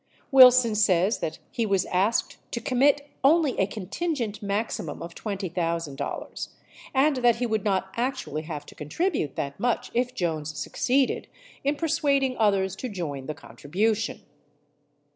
Wilson says that he was asked to commit only a contingent maximum of $20,000 and that he would not actually have to contribute that much if Jones suc ceeded in persuading others to join the contribution.